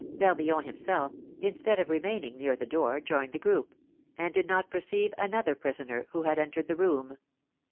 Barbillon himself, instead of remaining near the door, joined the group, and did not perceive another prisoner, who had entered the room.